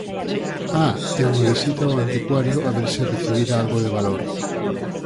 Ah, e unha visita ao anticuario a ver se recibira algo de valor.